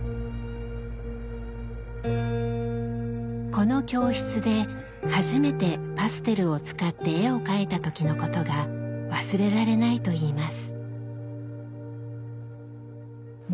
この教室で初めてパステルを使って絵を描いた時のことが忘れられないといいます。